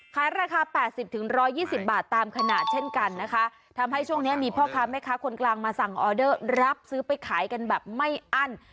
ขายราคา๘๐๑๒๐บาทตามขนาดเช่นกันนะคะทำให้ช่วงนี้มีพ่อค้าแม่ค้าคนกลางมาสั่งออเดอร์รับซื้อไปขายกันแบบไม่อั้น